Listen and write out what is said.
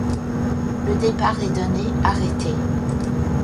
Le départ est donné arrêté.